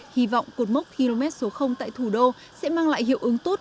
hy vọng cột mốc km số tại thủ đô sẽ mang lại hiệu ứng tốt